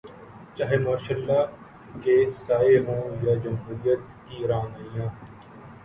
چاہے martial law کے سائے ہوں یا جمہوریت کی رعنائیاں۔